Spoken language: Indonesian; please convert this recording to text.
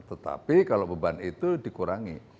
tetapi kalau beban itu dikurangi